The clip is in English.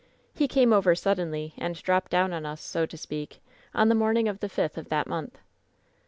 "He came over suddenly and dropped down on us, so to speak, on the morning of the fifth of that month.